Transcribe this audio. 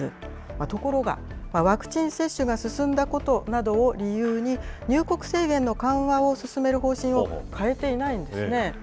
ところがワクチン接種が進んだことなどを理由に、入国制限の緩和を進める方針を変えていないんですね。